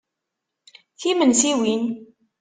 Timensiwin!